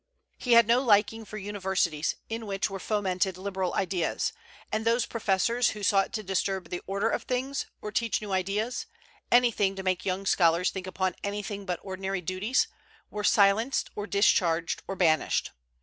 He had no liking for universities, in which were fomented liberal ideas; and those professors who sought to disturb the order of things, or teach new ideas, anything to make young scholars think upon anything but ordinary duties, were silenced or discharged or banished.